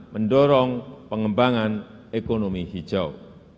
mendorong pengembangan ekonomi hijau